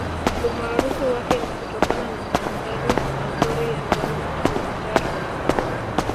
Umaarufu wake ni kutokana na mandhari mazuri ya mlima Kilimanjaro